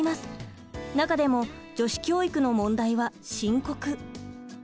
中でも女子教育の問題は深刻。